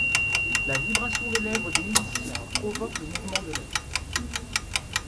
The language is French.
La vibration des lèvres du musicien provoque le mouvement de l'air.